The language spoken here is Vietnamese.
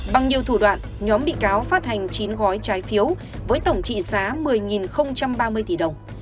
bằng nhiều thủ đoạn nhóm bị cáo phát hành chín gói trái phiếu với tổng trị giá một mươi ba mươi tỷ đồng